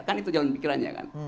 kan itu jalan pikirannya kan